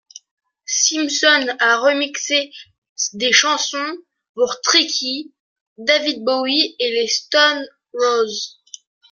Simpson a remixé des chansons pour Tricky, David Bowie et les Stone Roses.